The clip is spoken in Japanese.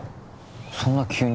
そんな急に？